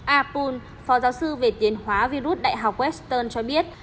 apul phó giáo sư về tiến hóa virus đại học western cho biết